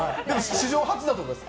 史上初だと思います。